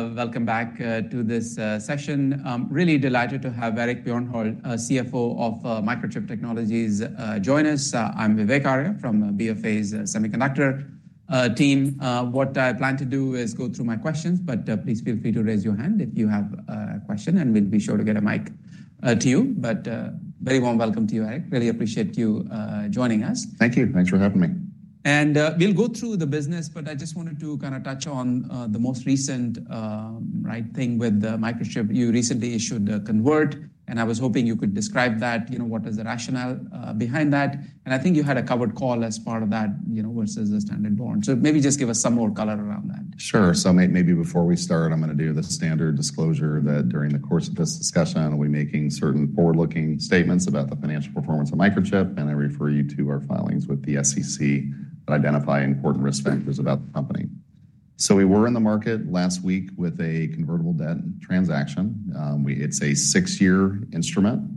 Welcome back to this session. I'm really delighted to have Eric Bjornholt, CFO of Microchip Technology, join us. I'm Vivek Arya from BofA's Semiconductor team. What I plan to do is go through my questions, but please feel free to raise your hand if you have a question, and we'll be sure to get a mic to you. But very warm welcome to you, Eric. Really appreciate you joining us. Thank you. Thanks for having me. We'll go through the business, but I just wanted to kind of touch on the most recent, right, thing with Microchip. You recently issued a convertible, and I was hoping you could describe that, you know, what is the rationale behind that? And I think you had a covered call as part of that, you know, versus a standard bond. So maybe just give us some more color around that. Sure. So maybe before we start, I'm gonna do the standard disclosure that during the course of this discussion, I'll be making certain forward-looking statements about the financial performance of Microchip, and I refer you to our filings with the SEC that identify important risk factors about the company. So we were in the market last week with a convertible debt transaction. It's a 6-year instrument.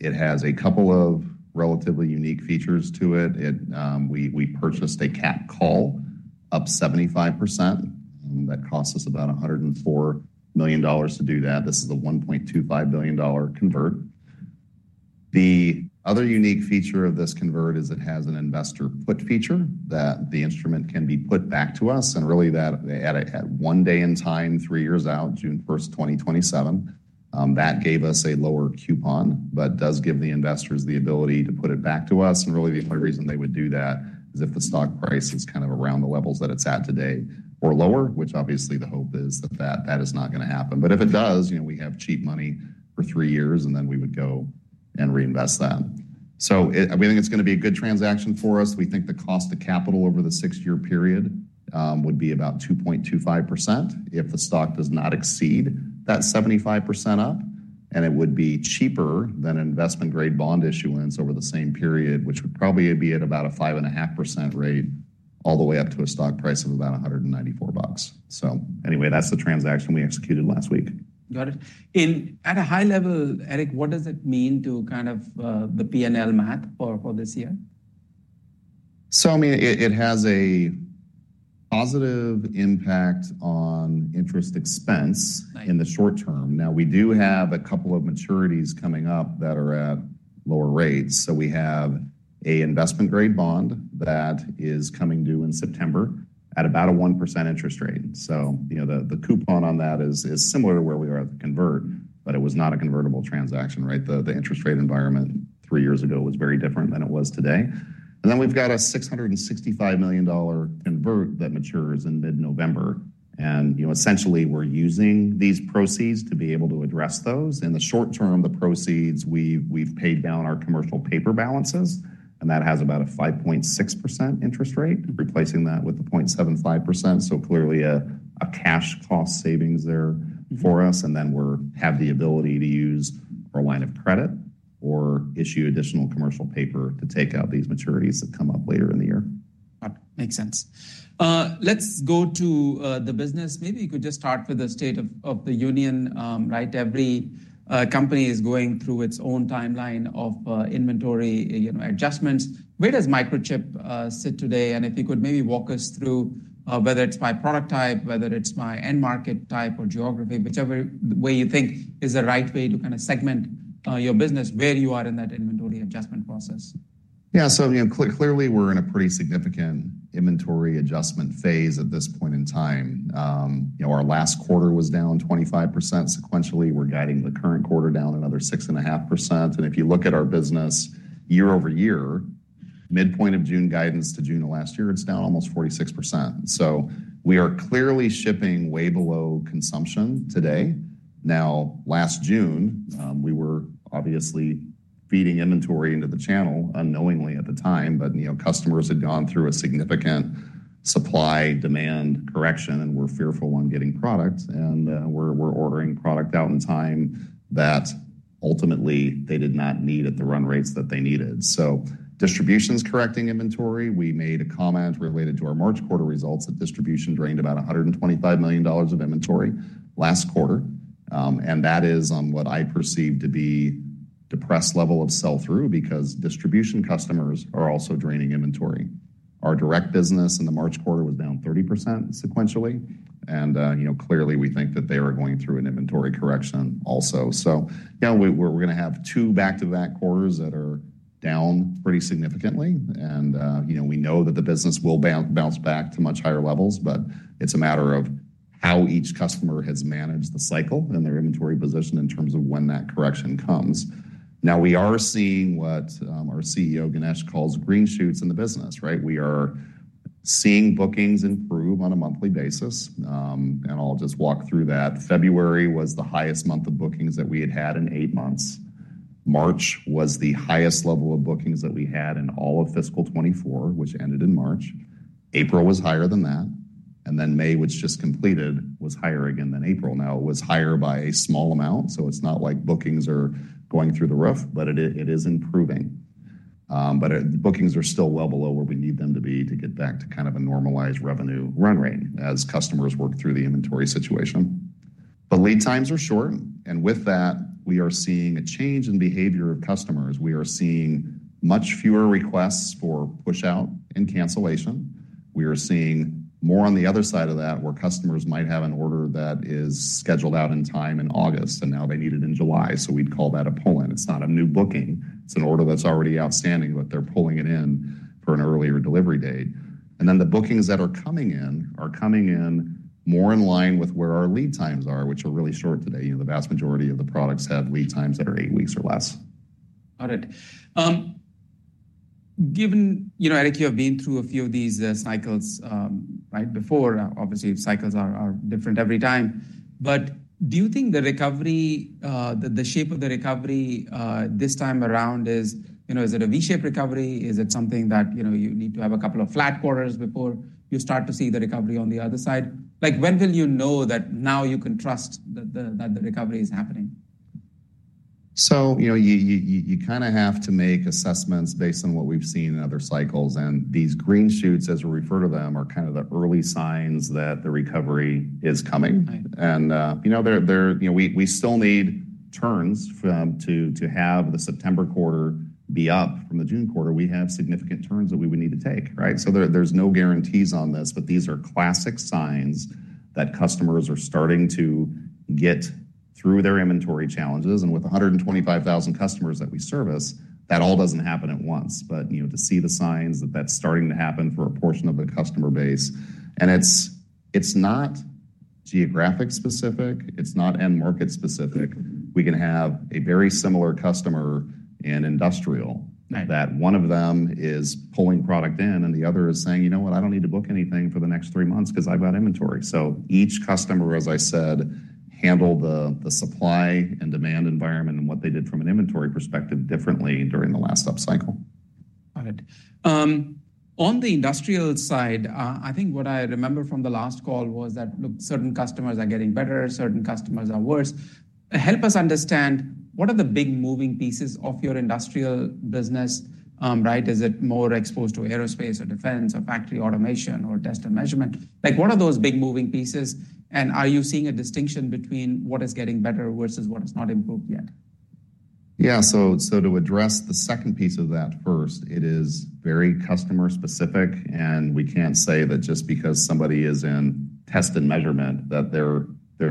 It has a couple of relatively unique features to it. We purchased a capped call up 75%, and that cost us about $104 million to do that. This is a $1.25 billion convert. The other unique feature of this convert is it has an investor put feature, that the instrument can be put back to us, and really, that at a, at one day in time, 3 years out, June first, 2027, that gave us a lower coupon, but does give the investors the ability to put it back to us. And really, the only reason they would do that is if the stock price is kind of around the levels that it's at today or lower, which obviously the hope is that, that is not gonna happen. But if it does, you know, we have cheap money for 3 years, and then we would go and reinvest that. So it, we think it's gonna be a good transaction for us. We think the cost of capital over the six-year period would be about 2.25% if the stock does not exceed that 75% up, and it would be cheaper than investment-grade bond issuance over the same period, which would probably be at about a 5.5% rate, all the way up to a stock price of about $194. So anyway, that's the transaction we executed last week. Got it. At a high level, Eric, what does it mean to kind of the P&L math for this year? So, I mean, it has a positive impact on interest expense- Right. in the short term. Now, we do have a couple of maturities coming up that are at lower rates. So we have a investment-grade bond that is coming due in September at about a 1% interest rate. So you know, the, the coupon on that is, is similar to where we are at the convert, but it was not a convertible transaction, right? The, the interest rate environment three years ago was very different than it was today. And then we've got a $665 million convert that matures in mid-November, and, you know, essentially, we're using these proceeds to be able to address those. In the short term, the proceeds, we've, we've paid down our commercial paper balances, and that has about a 5.6% interest rate, replacing that with the 0.75%. So clearly, a cash cost savings there for us, and then we have the ability to use our line of credit or issue additional commercial paper to take out these maturities that come up later in the year. Makes sense. Let's go to the business. Maybe you could just start with the state of the union, right? Every company is going through its own timeline of inventory, you know, adjustments. Where does Microchip sit today? And if you could maybe walk us through whether it's by product type, whether it's by end market type or geography, whichever way you think is the right way to kind of segment your business, where you are in that inventory adjustment process. Yeah. So, you know, clearly, we're in a pretty significant inventory adjustment phase at this point in time. You know, our last quarter was down 25%. Sequentially, we're guiding the current quarter down another 6.5%, and if you look at our business year-over-year, midpoint of June guidance to June of last year, it's down almost 46%. So we are clearly shipping way below consumption today. Now, last June, we were obviously feeding inventory into the channel unknowingly at the time, but, you know, customers had gone through a significant supply-demand correction and were fearful on getting product, and were ordering product out in time that ultimately they did not need at the run rates that they needed. So distribution's correcting inventory. We made a comment related to our March quarter results that distribution drained about $125 million of inventory last quarter, and that is on what I perceive to be depressed level of sell-through because distribution customers are also draining inventory. Our direct business in the March quarter was down 30% sequentially, and, you know, clearly, we think that they are going through an inventory correction also. So yeah, we, we're gonna have two back-to-back quarters that are down pretty significantly, and, you know, we know that the business will bounce back to much higher levels, but it's a matter of how each customer has managed the cycle and their inventory position in terms of when that correction comes. Now, we are seeing what, our CEO, Ganesh, calls green shoots in the business, right? We are seeing bookings improve on a monthly basis, and I'll just walk through that. February was the highest month of bookings that we had had in 8 months. March was the highest level of bookings that we had in all of fiscal 2024, which ended in March. April was higher than that, and then May, which just completed, was higher again than April. Now, it was higher by a small amount, so it's not like bookings are going through the roof, but it is improving. Bookings are still well below where we need them to be to get back to kind of a normalized revenue run rate as customers work through the inventory situation. The lead times are short, and with that, we are seeing a change in behavior of customers. We are seeing much fewer requests for push out and cancellation. We are seeing more on the other side of that, where customers might have an order that is scheduled out in time in August, and now they need it in July. So we'd call that a pull-in. It's not a new booking, it's an order that's already outstanding, but they're pulling it in for an earlier delivery date. And then the bookings that are coming in are coming in more in line with where our lead times are, which are really short today. You know, the vast majority of the products have lead times that are eight weeks or less. Got it. Given, you know, Eric, you have been through a few of these cycles right before. Obviously, cycles are different every time, but do you think the recovery, the shape of the recovery this time around is, you know, is it a V-shaped recovery? Is it something that, you know, you need to have a couple of flat quarters before you start to see the recovery on the other side? Like, when will you know that now you can trust that the recovery is happening? So, you know, you kind of have to make assessments based on what we've seen in other cycles, and these green shoots, as we refer to them, are kind of the early signs that the recovery is coming. Mm-hmm. And, you know, they're-- You know, we still need turns to have the September quarter be up from the June quarter. We have significant turns that we would need to take, right? So there's no guarantees on this, but these are classic signs that customers are starting to get through their inventory challenges, and with 125,000 customers that we service, that all doesn't happen at once. But, you know, to see the signs that that's starting to happen for a portion of the customer base, and it's not geographic specific, it's not end-market specific. Mm-hmm. We can have a very similar customer in industrial- Right that one of them is pulling product in, and the other is saying: "You know what? I don't need to book anything for the next three months 'cause I've got inventory." So each customer, as I said, handled the supply and demand environment and what they did from an inventory perspective differently during the last upcycle. Got it. On the industrial side, I think what I remember from the last call was that, look, certain customers are getting better, certain customers are worse. Help us understand, what are the big moving pieces of your industrial business, right? Is it more exposed to aerospace or defense or factory automation or test and measurement? Like, what are those big moving pieces, and are you seeing a distinction between what is getting better versus what is not improved yet? Yeah, so to address the second piece of that first, it is very customer specific, and we can't say that just because somebody is in test and measurement, that they're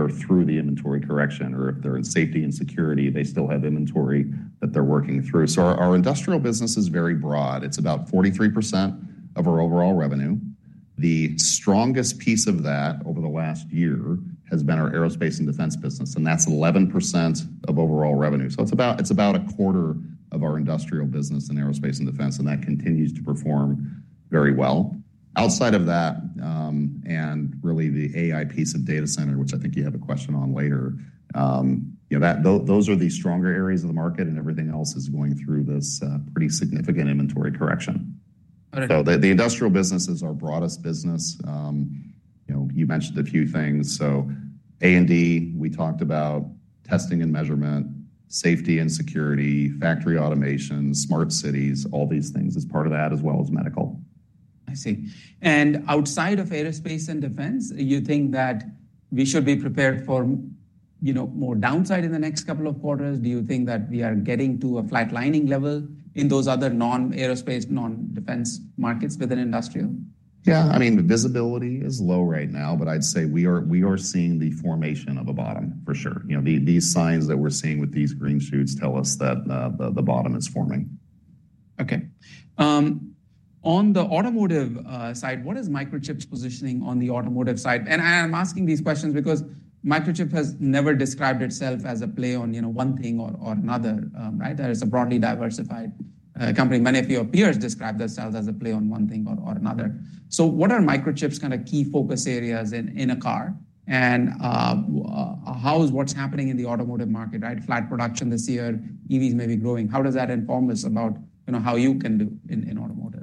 through the inventory correction, or if they're in safety and security, they still have inventory that they're working through. So our industrial business is very broad. It's about 43% of our overall revenue. The strongest piece of that over the last year has been our aerospace and defense business, and that's 11% of overall revenue. So it's about a quarter of our industrial business in aerospace and defense, and that continues to perform very well. Outside of that, and really the AI piece of data center, which I think you have a question on later, you know, those are the stronger areas of the market, and everything else is going through this pretty significant inventory correction. All right. So the industrial business is our broadest business. You know, you mentioned a few things, so A and D, we talked about testing and measurement, safety and security, factory automation, smart cities, all these things as part of that, as well as medical. I see. And outside of aerospace and defense, you think that we should be prepared for, you know, more downside in the next couple of quarters? Do you think that we are getting to a flatlining level in those other non-aerospace, non-defense markets within industrial? Yeah, I mean, the visibility is low right now, but I'd say we are seeing the formation of a bottom, for sure. You know, these signs that we're seeing with these green shoots tell us that the bottom is forming. Okay. On the automotive side, what is Microchip's positioning on the automotive side? And I am asking these questions because Microchip has never described itself as a play on, you know, one thing or another, right? As a broadly diversified company. Many of your peers describe themselves as a play on one thing or another. So what are Microchip's kind of key focus areas in a car, and how is what's happening in the automotive market, right? Flat production this year, EVs may be growing. How does that inform us about, you know, how you can do in automotive?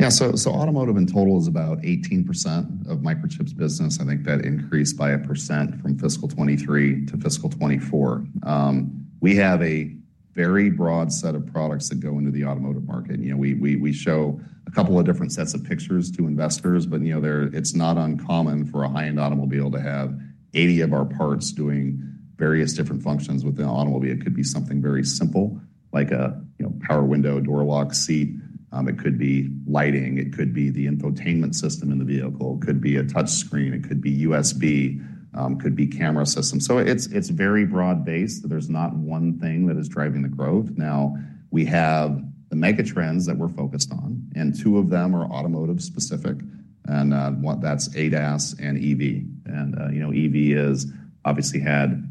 Yeah, so, so automotive in total is about 18% of Microchip's business. I think that increased by 1% from fiscal 2023 to fiscal 2024. We have a very broad set of products that go into the automotive market, and, you know, we show a couple of different sets of pictures to investors, but, you know, they're. It's not uncommon for a high-end automobile to have 80 of our parts doing various different functions within an automobile. It could be something very simple, like a, you know, power window, door lock, seat, it could be lighting, it could be the infotainment system in the vehicle, it could be a touch screen, it could be USB, could be camera system. So it's very broad-based. There's not one thing that is driving the growth. Now, we have the mega trends that we're focused on, and two of them are automotive specific, and one, that's ADAS and EV. And, you know, EV is obviously had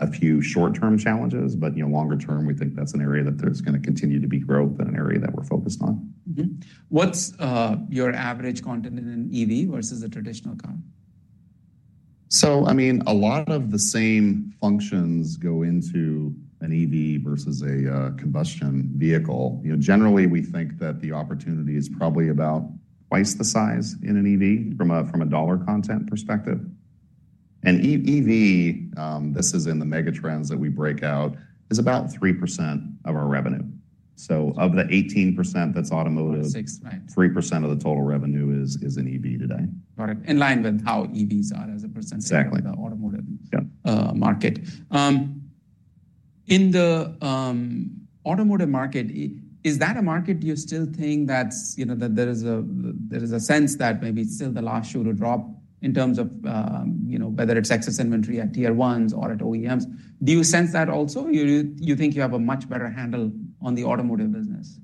a few short-term challenges, but, you know, longer term, we think that's an area that there's gonna continue to be growth and an area that we're focused on. Mm-hmm. What's your average content in an EV versus a traditional car? So, I mean, a lot of the same functions go into an EV versus a combustion vehicle. You know, generally, we think that the opportunity is probably about twice the size in an EV from a dollar content perspective. And EV, this is in the mega trends that we break out, is about 3% of our revenue. So of the 18% that's automotive- Six, right. 3% of the total revenue is in EV today. Got it. In line with how EVs are as a percentage- Exactly. of the automotive Yeah market. In the automotive market, is that a market you still think that's, you know, that there is a sense that maybe it's still the last shoe to drop in terms of, you know, whether it's excess inventory at Tier Ones or at OEMs? Do you sense that also, or you think you have a much better handle on the automotive business?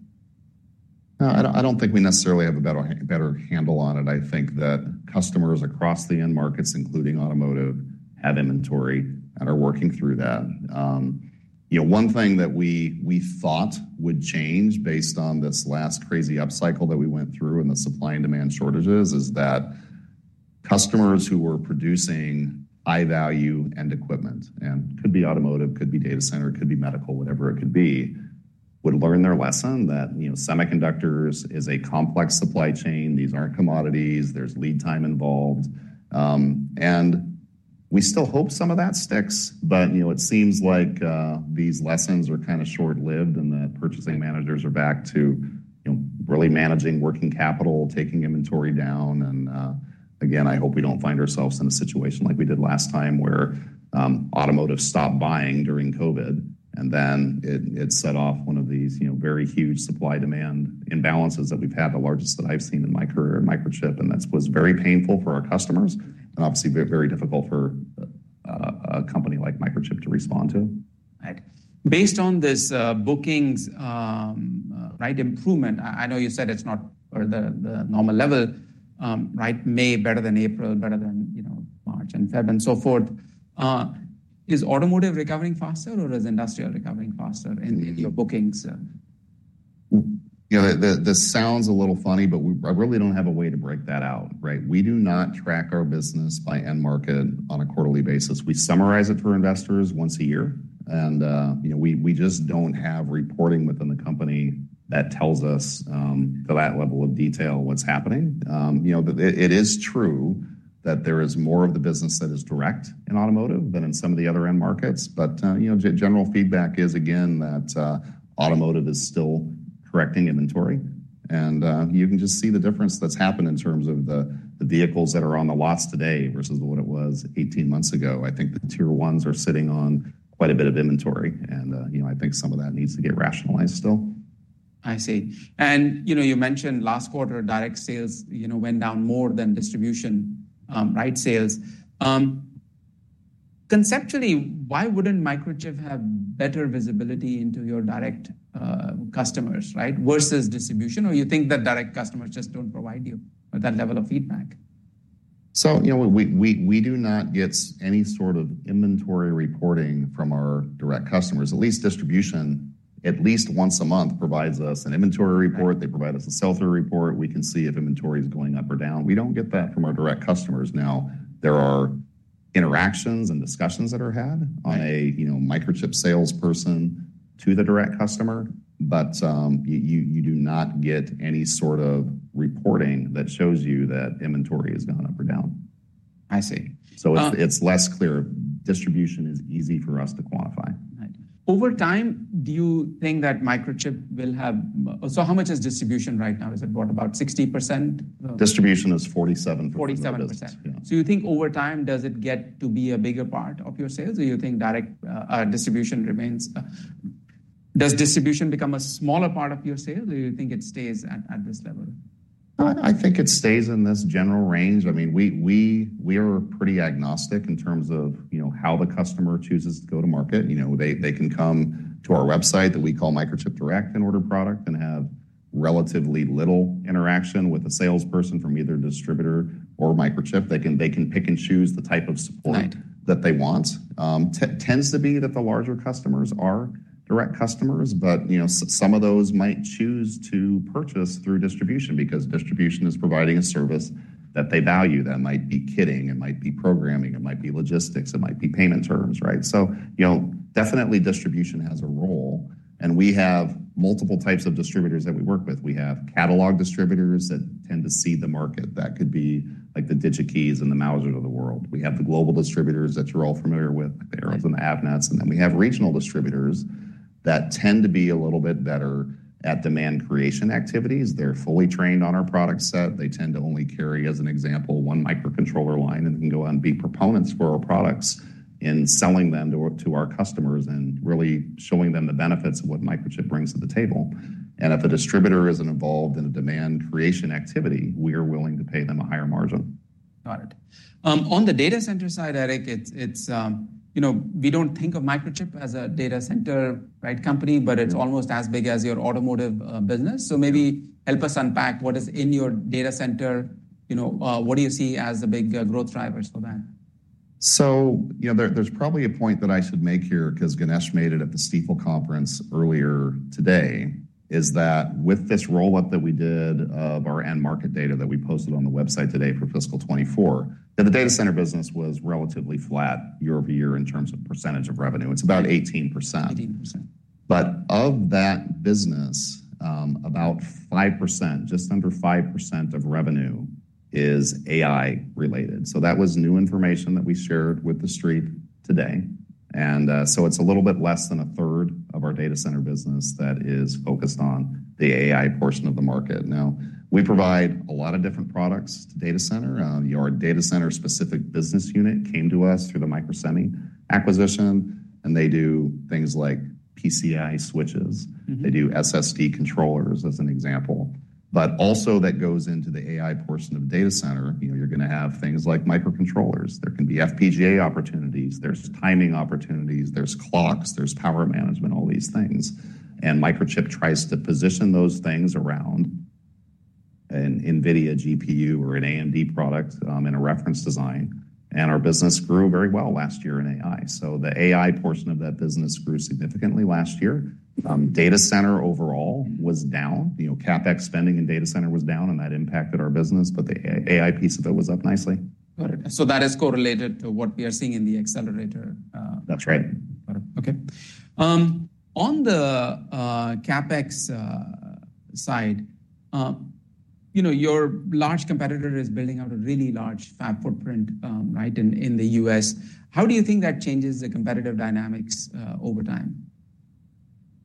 I don't think we necessarily have a better handle on it. I think that customers across the end markets, including automotive, have inventory and are working through that. You know, one thing that we thought would change based on this last crazy upcycle that we went through and the supply and demand shortages is that customers who were producing high-value end equipment, and could be automotive, could be data center, could be medical, whatever it could be, would learn their lesson that, you know, semiconductors is a complex supply chain. These aren't commodities. There's lead time involved. And we still hope some of that sticks, but, you know, it seems like these lessons are kind of short-lived, and the purchasing managers are back to, you know, really managing working capital, taking inventory down, and again, I hope we don't find ourselves in a situation like we did last time, where automotive stopped buying during COVID, and then it set off one of these, you know, very huge supply-demand imbalances that we've had, the largest that I've seen in my career at Microchip, and that was very painful for our customers and obviously very difficult for a company like Microchip to respond to. Right. Based on this, bookings, right, improvement, I know you said it's not or the, the normal level, right, May better than April, better than, you know, March and Feb and so forth. Is automotive recovering faster, or is industrial recovering faster in, in your bookings? You know, this sounds a little funny, but I really don't have a way to break that out, right? We do not track our business by end market on a quarterly basis. We summarize it for investors once a year, and, you know, we just don't have reporting within the company that tells us to that level of detail, what's happening. You know, but it is true that there is more of the business that is direct in automotive than in some of the other end markets, but, you know, general feedback is, again, that, automotive is still correcting inventory and, you can just see the difference that's happened in terms of the vehicles that are on the lots today versus what it was 18 months ago. I think the Tier Ones are sitting on quite a bit of inventory and, you know, I think some of that needs to get rationalized still. I see. And, you know, you mentioned last quarter, direct sales, you know, went down more than distribution, right, sales. Conceptually, why wouldn't Microchip have better visibility into your direct customers, right, versus distribution? Or you think that direct customers just don't provide you with that level of feedback? So, you know, we do not get any sort of inventory reporting from our direct customers. At least distribution, at least once a month, provides us an inventory report. Right. They provide us a sell-through report. We can see if inventory is going up or down. We don't get that from our direct customers. Now, there are interactions and discussions that are had- Right On a, you know, Microchip salesperson to the direct customer, but you do not get any sort of reporting that shows you that inventory has gone up or down. I see, So it's less clear. Distribution is easy for us to quantify. Right. Over time, do you think that Microchip will have... So how much is distribution right now? Is it what? About 60%? Distribution is 47%. Forty-seven percent. Yeah. So you think over time, does it get to be a bigger part of your sales, or you think direct distribution remains... Does distribution become a smaller part of your sales, or you think it stays at this level? No, I think it stays in this general range. I mean, we're pretty agnostic in terms of, you know, how the customer chooses to go to market. You know, they can come to our website that we call Microchip Direct and order product and have relatively little interaction with a salesperson from either distributor or Microchip. They can pick and choose the type of support- Right That they want. Tends to be that the larger customers are direct customers, but, you know, some of those might choose to purchase through distribution because distribution is providing a service that they value, that might be kitting, it might be programming, it might be logistics, it might be payment terms, right? So, you know, definitely distribution has a role, and we have multiple types of distributors that we work with. We have catalog distributors that tend to see the market. That could be like the Digi-Keys and the Mousers of the world. We have the global distributors that you're all familiar with, the Arrows and the Avnets, and then we have regional distributors that tend to be a little bit better at demand creation activities. They're fully trained on our product set. They tend to only carry, as an example, one microcontroller line, and they can go out and be proponents for our products in selling them to, to our customers and really showing them the benefits of what Microchip brings to the table. And if a distributor is involved in a demand creation activity, we are willing to pay them a higher margin. Got it. On the data center side, Eric, it's you know, we don't think of Microchip as a data center, right, company- Yeah But it's almost as big as your automotive business. Yeah. So maybe help us unpack what is in your data center. You know, what do you see as the big growth drivers for that? So, you know, there's probably a point that I should make here 'cause Ganesh made it at the Stifel conference earlier today, is that with this roll-up that we did of our end market data that we posted on the website today for fiscal 2024, that the data center business was relatively flat year-over-year in terms of percentage of revenue. It's about 18%. Eighteen percent. But of that business, about 5%, just under 5% of revenue is AI related. So that was new information that we shared with the street today, and so it's a little bit less than a third of our data center business that is focused on the AI portion of the market. Now, we provide a lot of different products to data center. Your data center-specific business unit came to us through the Microsemi acquisition, and they do things like PCIe switches. Mm-hmm. They do SSD controllers, as an example. But also that goes into the AI portion of data center. You know, you're going to have things like microcontrollers. There can be FPGA opportunities, there's timing opportunities, there's clocks, there's power management, all these things. And Microchip tries to position those things around an NVIDIA GPU or an AMD product, in a reference design. And our business grew very well last year in AI. So the AI portion of that business grew significantly last year. Data center overall was down. You know, CapEx spending and data center was down, and that impacted our business, but the AI piece of it was up nicely. Got it. So that is correlated to what we are seeing in the accelerator. That's right. Okay. On the CapEx side, you know, your large competitor is building out a really large fab footprint, right in the U.S. How do you think that changes the competitive dynamics over time?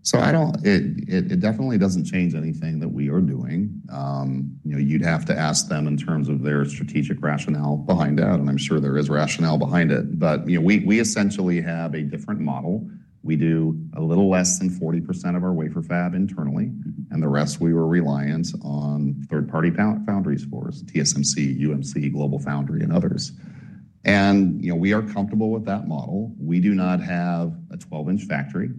So it definitely doesn't change anything that we are doing. You know, you'd have to ask them in terms of their strategic rationale behind that, and I'm sure there is rationale behind it. But, you know, we essentially have a different model. We do a little less than 40% of our wafer fab internally, and the rest we were reliant on third-party foundries for us, TSMC, UMC, GlobalFoundries, and others. And, you know, we are comfortable with that model. We do not have a 12-inch factory.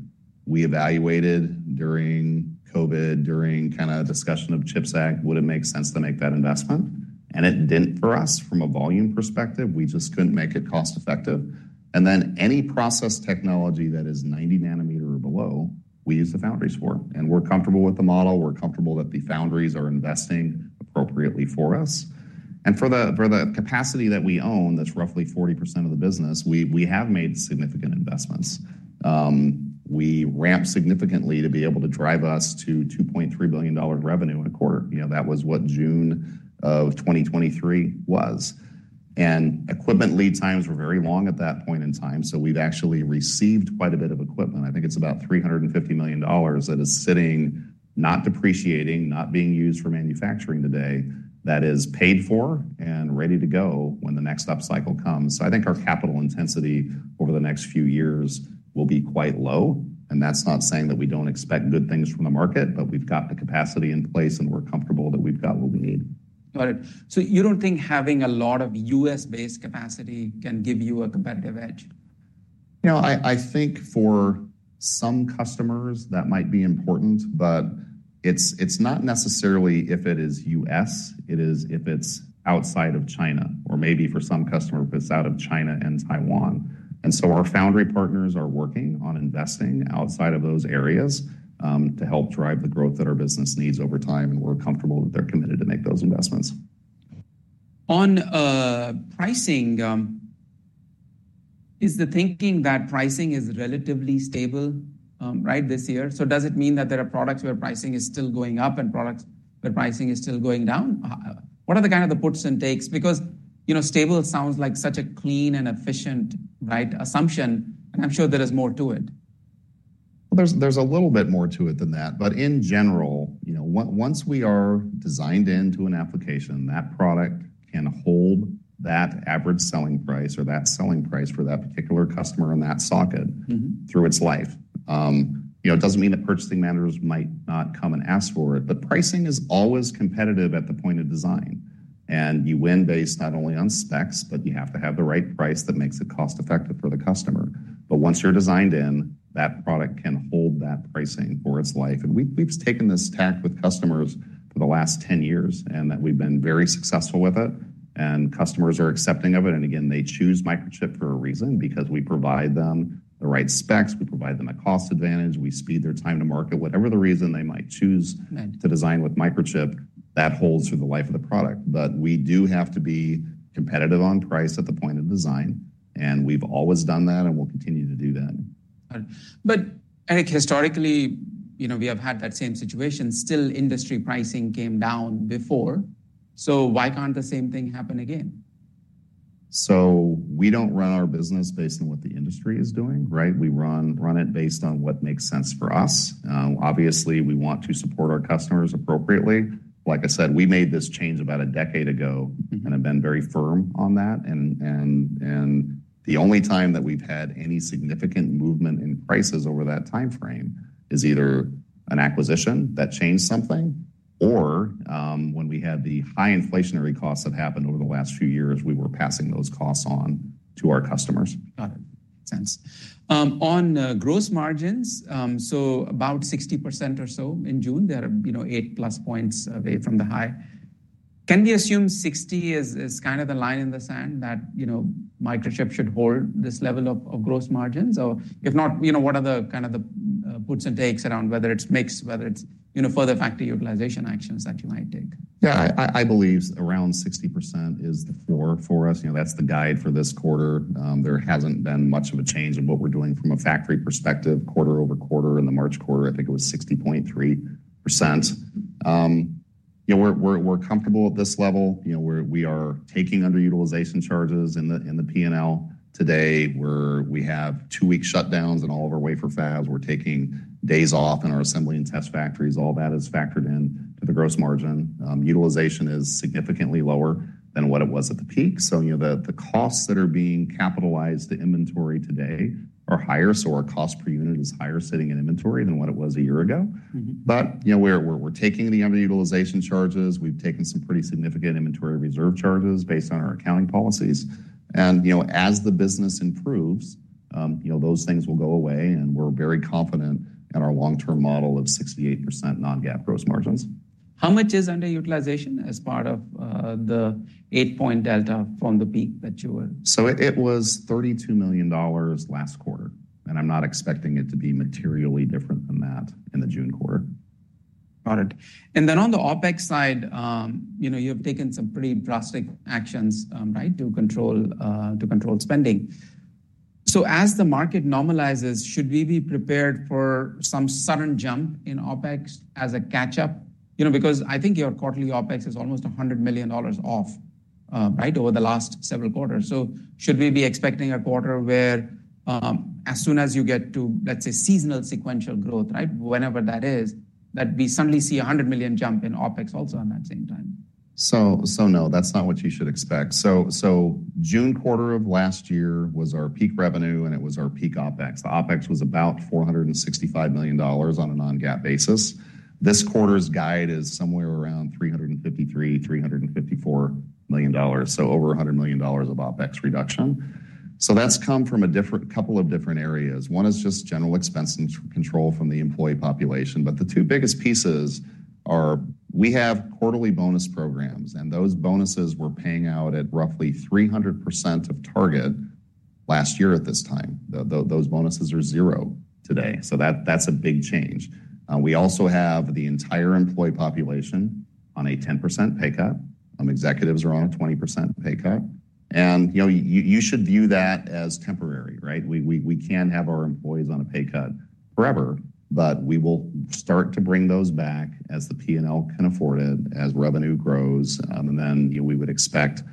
We evaluated during COVID, during kind of discussion of CHIPS Act, would it make sense to make that investment? And it didn't for us, from a volume perspective, we just couldn't make it cost-effective. And then any process technology that is 90 nanometer or below, we use the foundries for, and we're comfortable with the model, we're comfortable that the foundries are investing appropriately for us. For the capacity that we own, that's roughly 40% of the business, we have made significant investments. We ramped significantly to be able to drive us to $2.3 billion revenue in a quarter. You know, that was what June of 2023 was, and equipment lead times were very long at that point in time, so we've actually received quite a bit of equipment. I think it's about $350 million that is sitting, not depreciating, not being used for manufacturing today. That is paid for and ready to go when the next upcycle comes. I think our capital intensity over the next few years will be quite low, and that's not saying that we don't expect good things from the market, but we've got the capacity in place, and we're comfortable that we've got what we need. Got it. So you don't think having a lot of US-based capacity can give you a competitive edge? You know, I think for some customers, that might be important, but it's not necessarily if it is US, it is if it's outside of China, or maybe for some customer, if it's out of China and Taiwan. And so our foundry partners are working on investing outside of those areas, to help drive the growth that our business needs over time, and we're comfortable that they're committed to make those investments. On pricing, is the thinking that pricing is relatively stable, right this year? So does it mean that there are products where pricing is still going up and products where pricing is still going down? What are the kind of the puts and takes? Because, you know, stable sounds like such a clean and efficient, right, assumption, and I'm sure there is more to it. Well, there's a little bit more to it than that, but in general, you know, once we are designed into an application, that product can hold that average selling price or that selling price for that particular customer in that socket. Mm-hmm Through its life. You know, it doesn't mean that purchasing managers might not come and ask for it, but pricing is always competitive at the point of design. And you win based not only on specs, but you have to have the right price that makes it cost-effective for the customer. But once you're designed in, that product can hold that pricing for its life. We've taken this tack with customers for the last 10 years, and we've been very successful with it, and customers are accepting of it. And again, they choose Microchip for a reason, because we provide them the right specs, we provide them a cost advantage, we speed their time to market. Whatever the reason they might choose- Right To design with Microchip, that holds through the life of the product. But we do have to be competitive on price at the point of design, and we've always done that, and we'll continue to do that. But, Eric, historically, you know, we have had that same situation. Still, industry pricing came down before, so why can't the same thing happen again? So we don't run our business based on what the industry is doing, right? We run it based on what makes sense for us. Obviously, we want to support our customers appropriately. Like I said, we made this change about a decade ago- Mm-hmm And have been very firm on that. And the only time that we've had any significant movement in prices over that time frame is either an acquisition that changed something or, when we had the high inflationary costs that happened over the last few years, we were passing those costs on to our customers. Got it. On gross margins, so about 60% or so in June, they are, you know, 8+ points away from the high. Can we assume 60 is kind of the line in the sand that, you know, Microchip should hold this level of gross margins? Or if not, you know, what are the kind of the puts and takes around whether it's mix, whether it's, you know, further factory utilization actions that you might take? Yeah, I believe around 60% is the floor for us. You know, that's the guide for this quarter. There hasn't been much of a change in what we're doing from a factory perspective, quarter-over-quarter. In the March quarter, I think it was 60.3%. Yeah, we're comfortable at this level. You know, we're taking underutilization charges in the P&L today, where we have two-week shutdowns in all of our wafer fabs. We're taking days off in our assembly and test factories. All that is factored in to the gross margin. Utilization is significantly lower than what it was at the peak. So you know, the costs that are being capitalized to inventory today are higher, so our cost per unit is higher sitting in inventory than what it was a year ago. Mm-hmm. But, you know, we're taking the underutilization charges. We've taken some pretty significant inventory reserve charges based on our accounting policies and, you know, as the business improves, you know, those things will go away, and we're very confident in our long-term model of 68% non-GAAP gross margins. How much is underutilization as part of the 8-point delta from the peak that you were? So it was $32 million last quarter, and I'm not expecting it to be materially different than that in the June quarter. Got it. And then on the OpEx side, you know, you have taken some pretty drastic actions, right, to control, to control spending. So as the market normalizes, should we be prepared for some sudden jump in OpEx as a catch-up? You know, because I think your quarterly OpEx is almost $100 million off, right, over the last several quarters. So should we be expecting a quarter where, as soon as you get to, let's say, seasonal sequential growth, right, whenever that is, that we suddenly see a $100 million jump in OpEx also in that same time? So, no, that's not what you should expect. So, June quarter of last year was our peak revenue, and it was our peak OpEx. The OpEx was about $465 million on a non-GAAP basis. This quarter's guide is somewhere around $353-$354 million, so over $100 million of OpEx reduction. So that's come from a couple of different areas. One is just general expense control from the employee population, but the two biggest pieces are we have quarterly bonus programs, and those bonuses we're paying out at roughly 300% of target last year at this time. Those bonuses are zero today, so that's a big change. We also have the entire employee population on a 10% pay cut. Executives are on a 20% pay cut, and, you know, you should view that as temporary, right? We can't have our employees on a pay cut forever, but we will start to bring those back as the P&L can afford it, as revenue grows. And then, you know, we would expect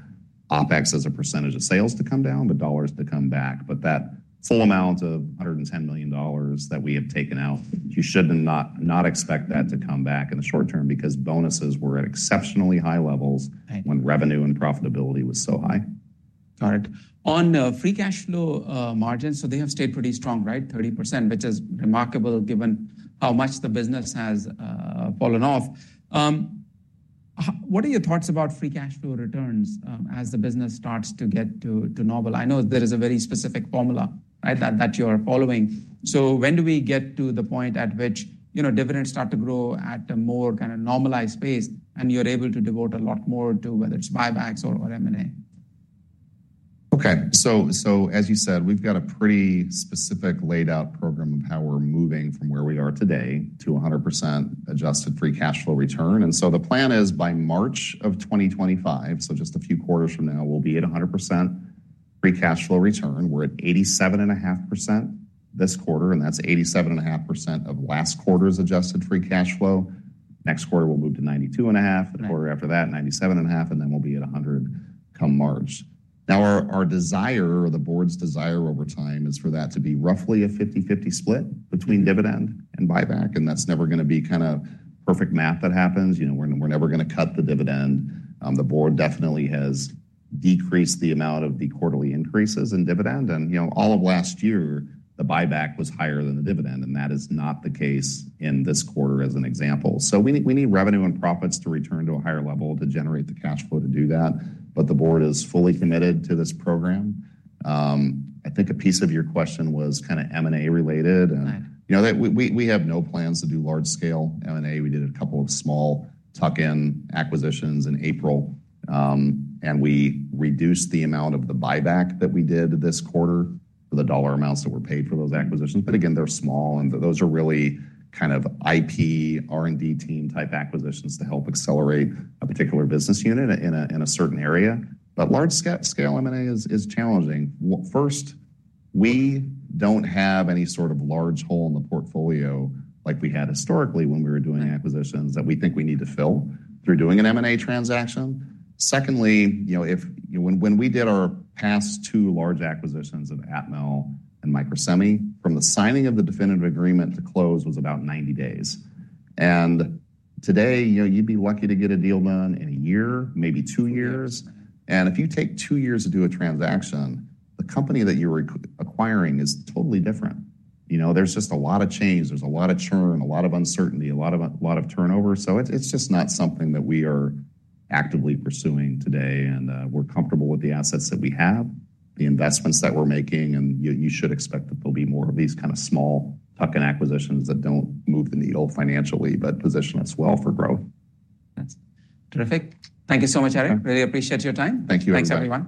OpEx as a percentage of sales to come down, the dollars to come back. But that full amount of $110 million that we have taken out, you should not expect that to come back in the short term because bonuses were at exceptionally high levels- Right. -when revenue and profitability was so high. Got it. On free cash flow, margins, so they have stayed pretty strong, right? 30%, which is remarkable given how much the business has fallen off. What are your thoughts about free cash flow returns as the business starts to get to, to normal? I know there is a very specific formula, right, that, that you're following. So when do we get to the point at which, you know, dividends start to grow at a more kind of normalized pace, and you're able to devote a lot more to whether it's buybacks or, or M&A? Okay. So, so as you said, we've got a pretty specific laid-out program of how we're moving from where we are today to 100% adjusted free cash flow return. And so the plan is by March of 2025, so just a few quarters from now, we'll be at 100% free cash flow return. We're at 87.5% this quarter, and that's 87.5% of last quarter's adjusted free cash flow. Next quarter, we'll move to 92.5, the quarter after that, 97.5, and then we'll be at 100 come March. Now, our, our desire, or the board's desire over time, is for that to be roughly a 50/50 split between dividend and buyback, and that's never gonna be kind of perfect math that happens. You know, we're, we're never gonna cut the dividend. The board definitely has decreased the amount of the quarterly increases in dividend. You know, all of last year, the buyback was higher than the dividend, and that is not the case in this quarter as an example. So we need, we need revenue and profits to return to a higher level to generate the cash flow to do that, but the board is fully committed to this program. I think a piece of your question was kind of M&A related. Right. You know, we have no plans to do large-scale M&A. We did a couple of small tuck-in acquisitions in April, and we reduced the amount of the buyback that we did this quarter for the dollar amounts that were paid for those acquisitions. But again, they're small, and those are really kind of IP, R&D team-type acquisitions to help accelerate a particular business unit in a certain area. But large-scale M&A is challenging. First, we don't have any sort of large hole in the portfolio like we had historically when we were doing acquisitions that we think we need to fill through doing an M&A transaction. Secondly, you know, when we did our past two large acquisitions of Atmel and Microsemi, from the signing of the definitive agreement to close was about 90 days. Today, you know, you'd be lucky to get a deal done in a year, maybe two years. If you take two years to do a transaction, the company that you're acquiring is totally different. You know, there's just a lot of change, there's a lot of churn, a lot of uncertainty, a lot of turnover. So it's just not something that we are actively pursuing today, and we're comfortable with the assets that we have, the investments that we're making, and you should expect that there'll be more of these kind of small tuck-in acquisitions that don't move the needle financially, but position us well for growth. That's terrific. Thank you so much, Eric. Okay. Really appreciate your time. Thank you. Thanks, everyone.